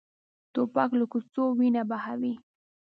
توپک له کوڅو وینه بهوي.